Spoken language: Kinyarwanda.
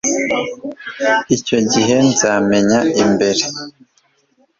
icyo gihe nzamenya imbere